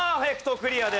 クリアです。